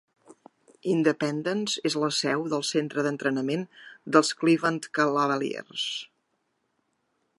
Independence és la seu del centre d'entrenament dels Cleveland Cavaliers.